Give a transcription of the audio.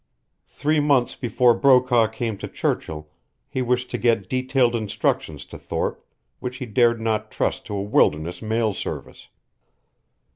Three months before Brokaw came to Churchill he wished to get detailed instructions to Thorpe which he dared not trust to a wilderness mail service.